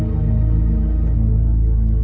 terima kasih pak